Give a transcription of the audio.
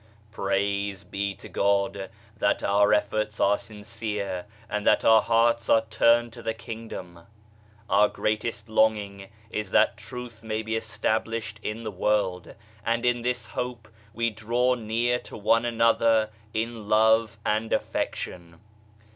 Praise be to God that our efforts are sincere and that our hearts are turned to the Kingdom. Our greatest longing is that Truth may be established in the world, and in this hope we draw near to one another in love and affection.